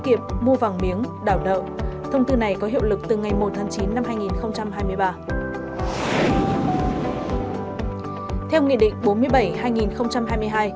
kiệp mua vàng miếng đảo đậu thông tư này có hiệu lực từ ngày một tháng chín năm hai nghìn hai mươi ba theo nghị định bốn mươi bảy